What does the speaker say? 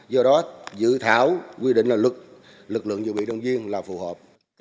do đó dự thảo quy định là lực lượng sự bị động viên là phù hợp